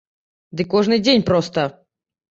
Ды кожны дзень проста!